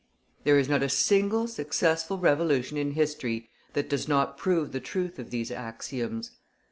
There is not a single successful revolution in history that does not prove the truth of these axioms.